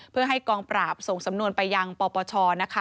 เพื่อให้กองปราบส่งสำนวนไปยังปปชนะคะ